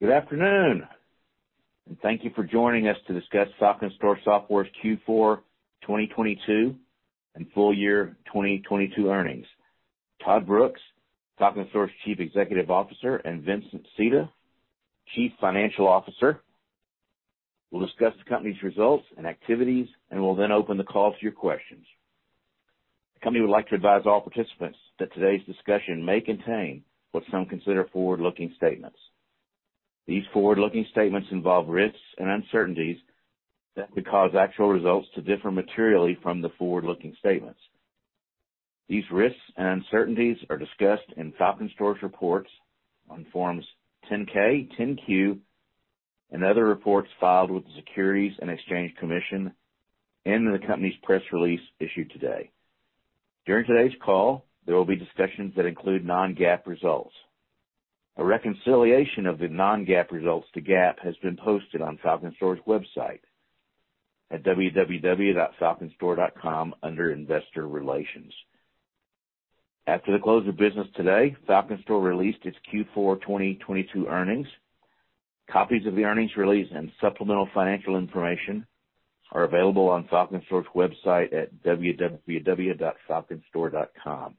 Good afternoon, and thank you for joining us to discuss FalconStor Software's Q4 2022 and full year 2022 earnings. Todd Brooks, FalconStor's Chief Executive Officer, and Vincent Sita, Chief Financial Officer, will discuss the company's results and activities, and we'll then open the call to your questions. The company would like to advise all participants that today's discussion may contain what some consider forward-looking statements. These forward-looking statements involve risks and uncertainties that could cause actual results to differ materially from the forward-looking statements. These risks and uncertainties are discussed in FalconStor's reports on Forms 10-K, 10-Q, and other reports filed with the Securities and Exchange Commission and in the company's press release issued today. During today's call, there will be discussions that include non-GAAP results. A reconciliation of the non-GAAP results to GAAP has been posted on FalconStor's website at www.falconstor.com under Investor Relations. After the close of business today, FalconStor released its Q4 2022 earnings. Copies of the earnings release and supplemental financial information are available on FalconStor's website at www.falconstor.com.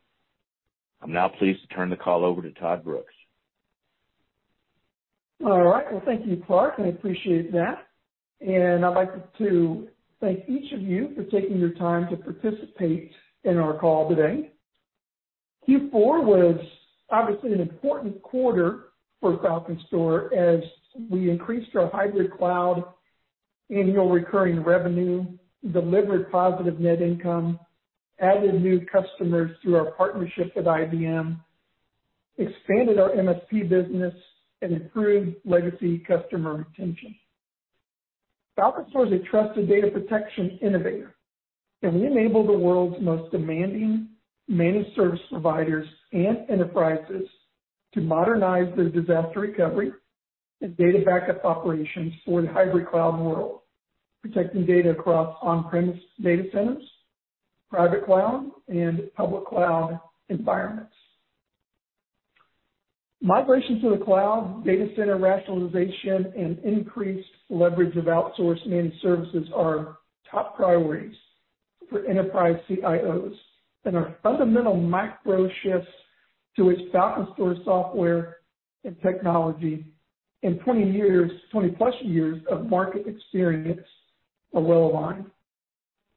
I'm now pleased to turn the call over to Todd Brooks. All right. Well, thank you, Clark. I appreciate that, and I'd like to thank each of you for taking your time to participate in our call today. Q4 was obviously an important quarter for FalconStor as we increased our hybrid cloud annual recurring revenue, delivered positive net income, added new customers through our partnership with IBM, expanded our MSP business, and improved legacy customer retention. FalconStor is a trusted data protection innovator, and we enable the world's most demanding managed service providers and enterprises to modernize their disaster recovery and data backup operations for the hybrid cloud world, protecting data across on-premise data centers, private cloud, and public cloud environments. Migration to the cloud, data center rationalization, and increased leverage of outsourced managed services are top priorities for enterprise CIOs. Our fundamental macro shifts to its FalconStor Software and technology in 20 years, 20+ years of market experience are well aligned.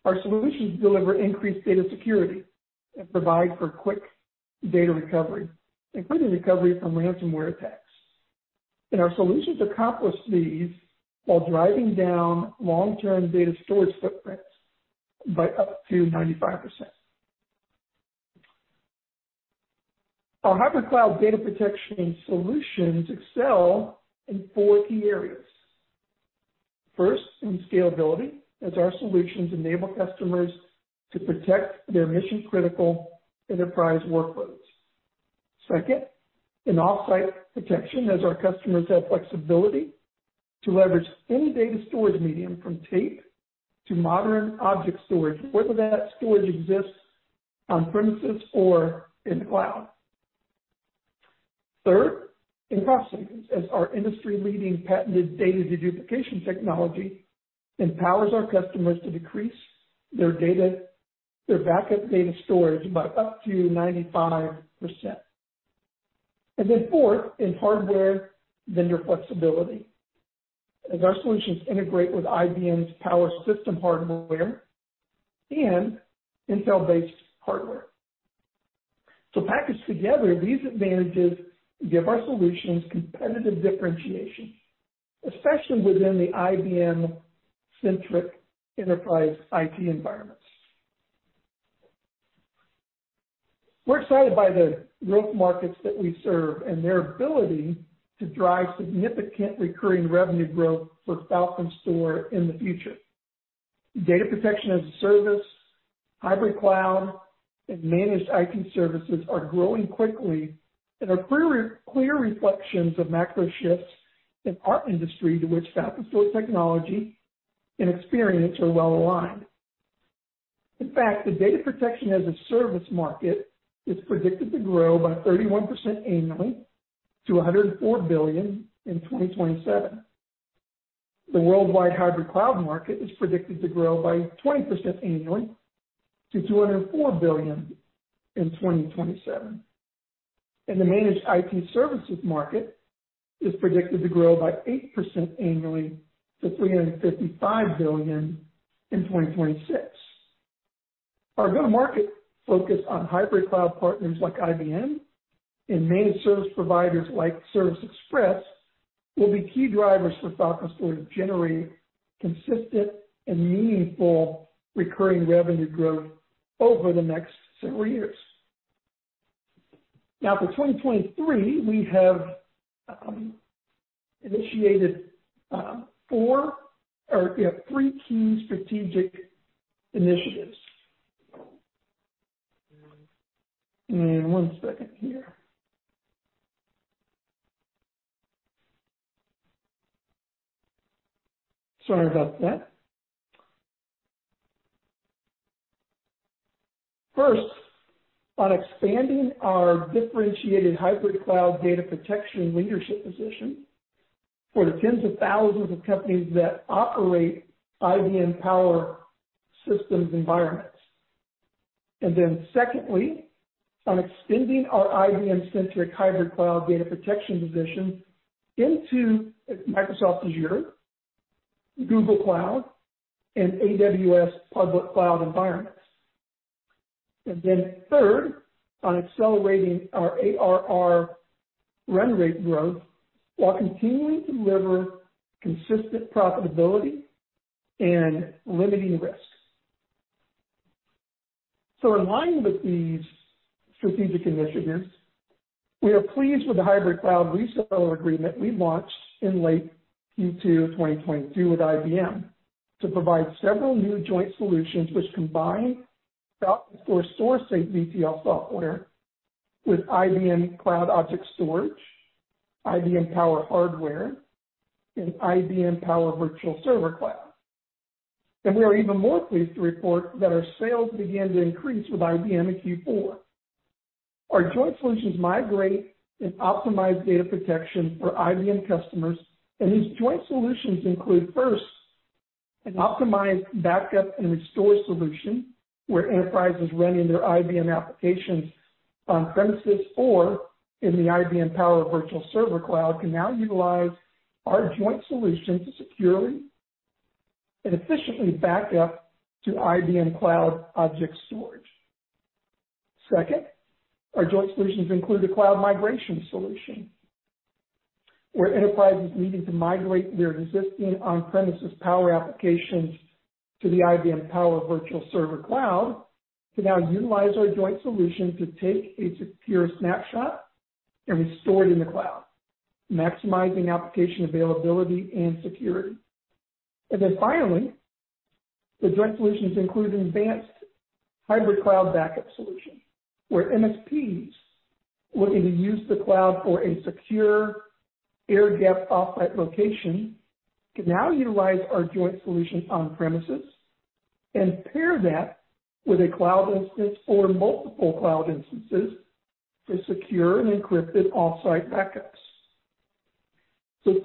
Our solutions deliver increased data security and provide for quick data recovery, including recovery from ransomware attacks. Our solutions accomplish these while driving down long-term data storage footprints by up to 95%. Our hybrid cloud data protection solutions excel in four key areas. First, in scalability, as our solutions enable customers to protect their mission-critical enterprise workloads. Second, in off-site protection, as our customers have flexibility to leverage any data storage medium from tape to modern object storage, whether that storage exists on-premises or in the cloud. Third, in cost savings, as our industry-leading patented data deduplication technology empowers our customers to decrease their data, their backup data storage, by up to 95%. Fourth, in hardware vendor flexibility, as our solutions integrate with IBM's Power System hardware and Intel-based hardware. Packaged together, these advantages give our solutions competitive differentiation, especially within the IBM-centric enterprise IT environments. We're excited by the growth markets that we serve and their ability to drive significant recurring revenue growth for FalconStor in the future. Data Protection as a Service, hybrid cloud, and managed IT services are growing quickly and are clear reflections of macro shifts in our industry to which FalconStor technology and experience are well aligned. In fact, the Data Protection as a Service market is predicted to grow by 31% annually to $104 billion in 2027. The worldwide hybrid cloud market is predicted to grow by 20% annually to $204 billion in 2027. The managed IT services market is predicted to grow by 8% annually to $355 billion in 2026. Our go-to-market focus on hybrid cloud partners like IBM and managed service providers like Service Express will be key drivers for FalconStor to generate consistent and meaningful recurring revenue growth over the next several years. For 2023, we have initiated three key strategic initiatives. Give me 1 second here. Sorry about that. First, on expanding our differentiated hybrid cloud data protection leadership position for the tens of thousands of companies that operate IBM Power Systems environments. Secondly, on extending our IBM-centric hybrid cloud data protection position into Microsoft Azure, Google Cloud, and AWS public cloud environments. Third, on accelerating our ARR run rate growth while continuing to deliver consistent profitability and limiting risk. In line with these strategic initiatives, we are pleased with the hybrid cloud reseller agreement we launched in late Q2 2022 with IBM to provide several new joint solutions which combine FalconStor StorSafe VTL software with IBM Cloud Object Storage, IBM Power Hardware, and IBM Power Virtual Server Cloud. We are even more pleased to report that our sales began to increase with IBM in Q4. Our joint solutions migrate and optimize data protection for IBM customers, and these joint solutions include, first, an optimized backup and restore solution where enterprises running their IBM applications on premises or in the IBM Power Virtual Server Cloud can now utilize our joint solution to securely and efficiently back up to IBM Cloud Object Storage. Our joint solutions include a cloud migration solution, where enterprises needing to migrate their existing on-premises IBM Power applications to the IBM Power Virtual Server can now utilize our joint solution to take a secure snapshot and restore it in the cloud, maximizing application availability and security. Finally, the joint solutions include an advanced hybrid cloud backup solution, where MSPs looking to use the cloud for a secure air-gapped offsite location can now utilize our joint solution on premises and pair that with a cloud instance or multiple cloud instances for secure and encrypted offsite backups.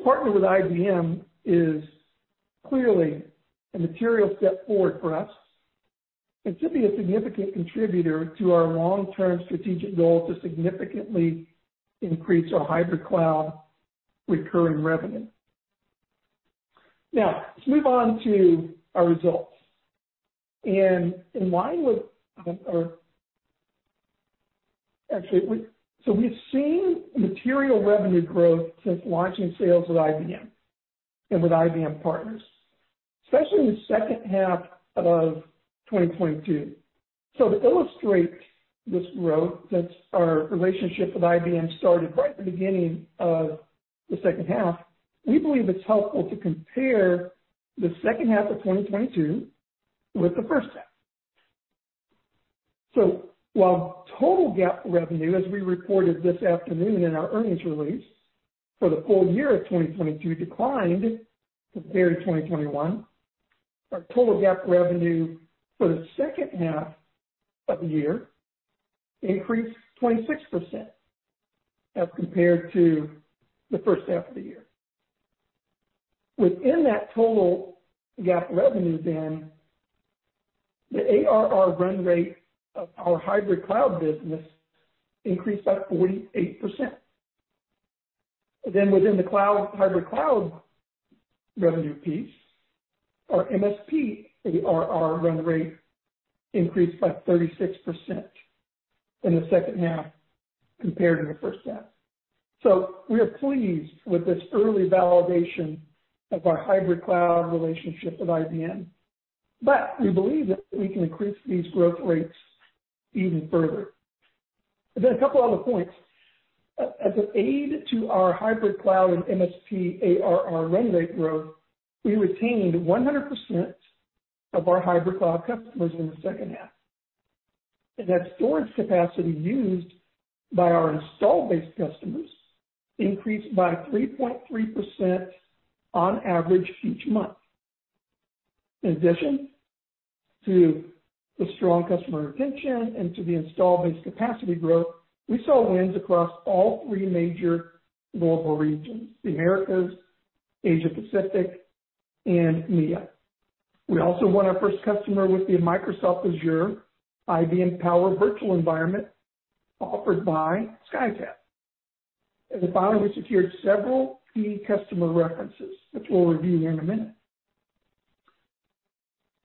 Partnering with IBM is clearly a material step forward for us and should be a significant contributor to our long-term strategic goal to significantly increase our hybrid cloud recurring revenue. Now, let's move on to our results. In line with our... Actually, we've seen material revenue growth since launching sales with IBM and with IBM partners, especially in the H2 of 2022. To illustrate this growth, that's our relationship with IBM started right at the beginning of the H2. We believe it's helpful to compare the H2 of 2022 with the H1. While total GAAP revenue, as we reported this afternoon in our earnings release for the full year of 2022 declined compared to 2021, our total GAAP revenue for the H2 of the year increased 26% as compared to the H1 of the year. Within that total GAAP revenue, the ARR run rate of our hybrid cloud business increased by 48%. Within the cloud, hybrid cloud revenue piece, our MSP ARR run rate increased by 36% in the H2 compared to the H1. We are pleased with this early validation of our hybrid cloud relationship with IBM, but we believe that we can increase these growth rates even further. A couple other points. As an aid to our hybrid cloud and MSP ARR run rate growth, we retained 100% of our hybrid cloud customers in the H2. That storage capacity used by our install-based customers increased by 3.3% on average each month. In addition to the strong customer retention and to the install-based capacity growth, we saw wins across all three major global regions, the Americas, Asia Pacific, and EMEA. We also won our first customer with the Microsoft Azure IBM Power Virtual environment offered by Skytap. Finally, we secured several key customer references, which we'll review here in a minute.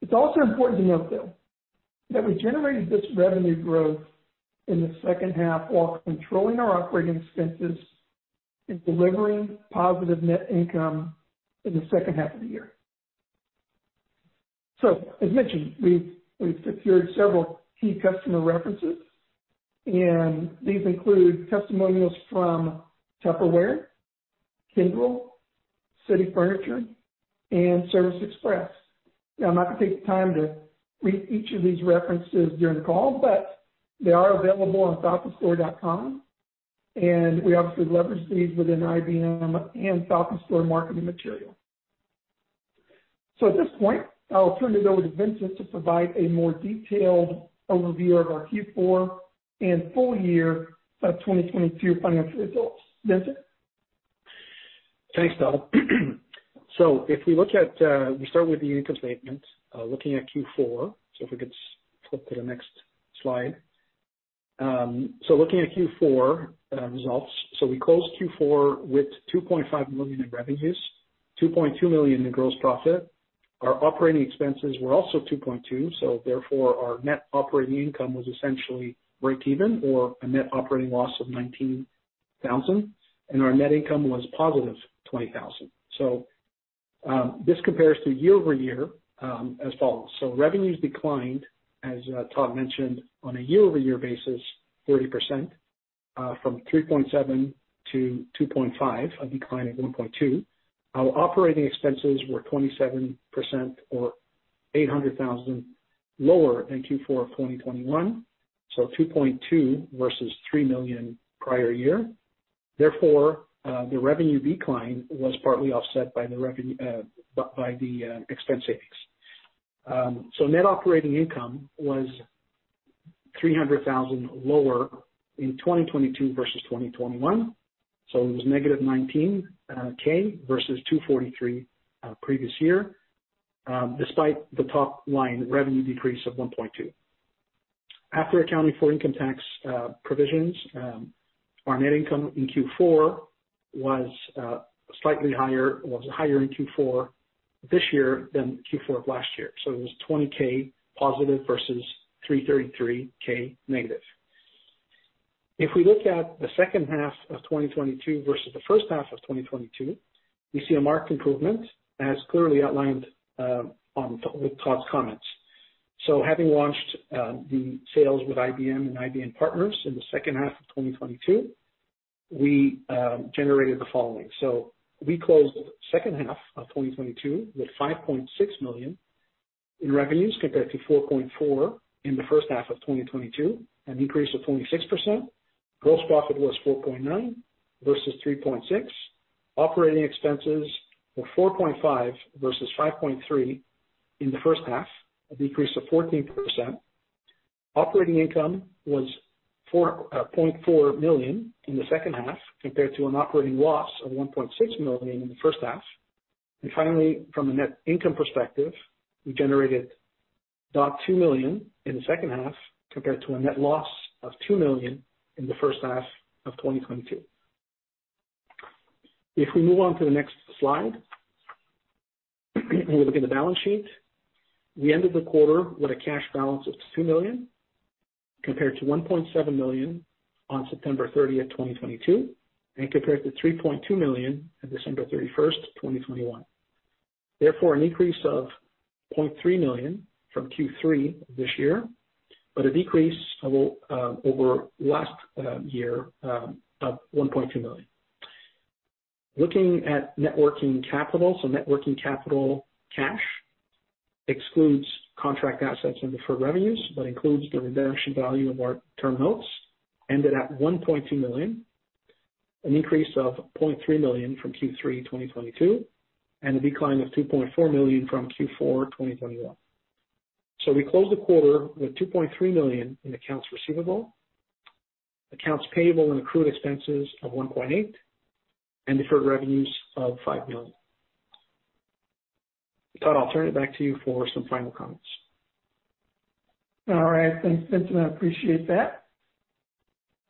It's also important to note, though, that we generated this revenue growth in the H2 while controlling our operating expenses and delivering positive net income in the H2 of the year. As mentioned, we've secured several key customer references, and these include testimonials from Tupperware, Kyndryl, CITY Furniture, and Service Express. I'm not gonna take the time to read each of these references during the call, but they are available on falconstor.com, and we obviously leverage these within IBM and FalconStor marketing material. At this point, I'll turn it over to Vincent to provide a more detailed overview of our Q4 and full year of 2022 financial results. Vincent? Thanks, Todd. We start with the income statement, looking at Q4. If we could flip to the next slide. Looking at Q4 results, we closed Q4 with $2.5 million in revenues, $2.2 million in gross profit. Our operating expenses were also $2.2 million. Therefore, our net operating income was essentially breakeven or a net operating loss of $19,000, and our net income was positive $20,000. This compares to year-over-year as follows. Revenues declined, as Todd mentioned, on a year-over-year basis, 40%, from $3.7 million-$2.5 million, a decline of $1.2 million. Our operating expenses were 27% or $800,000 lower than Q4 of 2021, $2.2 million versus $3 million prior year. The revenue decline was partly offset by the expense savings. Net operating income was $300,000 lower in 2022 versus 2021, so it was negative $19K versus $243K previous year, despite the top line revenue decrease of $1.2 million. After accounting for income tax provisions, our net income in Q4 was slightly higher, was higher in Q4 this year than Q4 of last year. It was $20K positive versus $333K negative. If we look at the H2 of 2022 versus the H1 of 2022, we see a marked improvement as clearly outlined with Todd's comments. Having launched the sales with IBM and IBM partners in the H2 of 2022, we generated the following. We closed H2 of 2022 with $5.6 million in revenues compared to $4.4 million in the H1 of 2022, an increase of 26%. Gross profit was $4.9 million versus $3.6 million. Operating expenses were $4.5 million versus $5.3 million in the H1, a decrease of 14%. Operating income was $4.4 million in the H2 compared to an operating loss of $1.6 million in the H1. Finally, from a net income perspective, we generated $0.2 million in the H2 compared to a net loss of $2 million in the H1 of 2022. If we move on to the next slide, we look at the balance sheet. We ended the quarter with a cash balance of $2 million compared to $1.7 million on September 30th, 2022, and compared to $3.2 million on December 31st, 2021. An increase of $0.3 million from Q3 this year, but a decrease over last year of $1.2 million. Looking at Net working capital, Net working capital cash excludes contract assets and deferred revenues but includes the redemption value of our term notes, ended at $1.2 million, an increase of $0.3 million from Q3 2022, and a decline of $2.4 million from Q4 2021. We closed the quarter with $2.3 million in accounts receivable, accounts payable and accrued expenses of $1.8 million, and deferred revenues of $5 million. Todd, I'll turn it back to you for some final comments. All right. Thanks, Vincent. I appreciate that.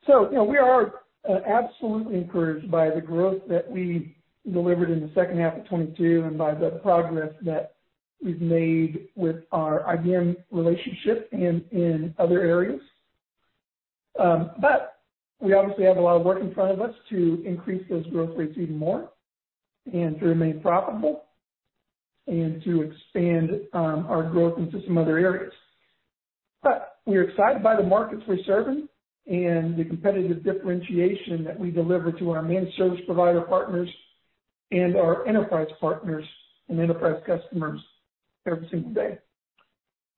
You know, we are absolutely encouraged by the growth that we delivered in the H2 of 2022 and by the progress that we've made with our IBM relationship and in other areas. We obviously have a lot of work in front of us to increase those growth rates even more and to remain profitable and to expand our growth into some other areas. We're excited by the markets we're serving and the competitive differentiation that we deliver to our managed service provider partners and our enterprise partners and enterprise customers every single day.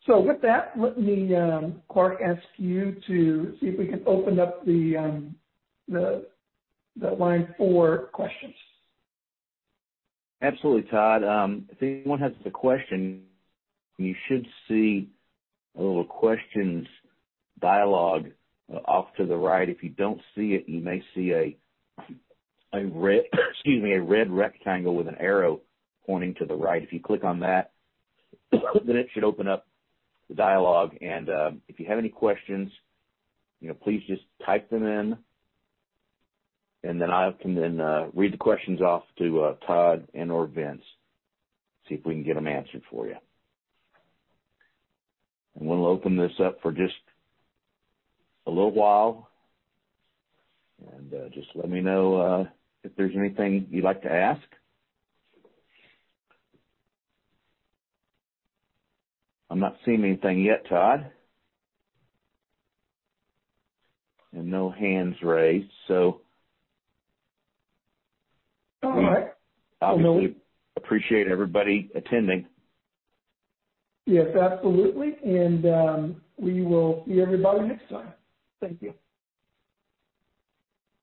With that, let me, Clark, ask you to see if we can open up the line for questions. Absolutely, Todd. If anyone has a question, you should see a little questions dialog off to the right. If you don't see it, you may see a red rectangle with an arrow pointing to the right. If you click on that, it should open up the dialog and, if you have any questions, you know, please just type them in and then I can then read the questions off to Todd and/or Vince, see if we can get them answered for you. We'll open this up for just a little while and just let me know if there's anything you'd like to ask. I'm not seeing anything yet, Todd. No hands raised. All right. Obviously appreciate everybody attending. Yes, absolutely. We will see everybody next time. Thank you.